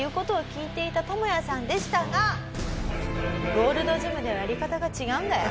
ゴールドジムではやり方が違うんだよ。